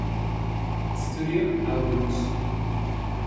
Studio albums